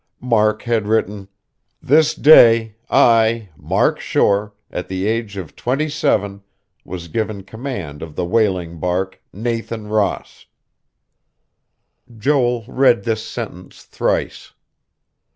Mark had written: "This day, I, Mark Shore, at the age of twenty seven, was given command of the whaling bark Nathan Ross." Joel read this sentence thrice.